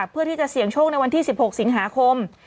เพื่อที่จะเสี่ยงโชคในวันที่๑๖สิงหาคม